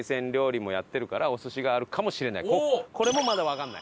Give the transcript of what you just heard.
これもまだわかんない。